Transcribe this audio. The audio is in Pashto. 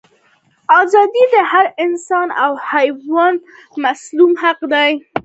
ازادي د هر انسان او حیوان مسلم حق دی.